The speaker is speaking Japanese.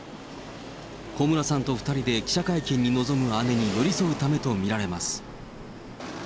小室さんと２人で記者会見に臨む姉に寄り添うためと見られます。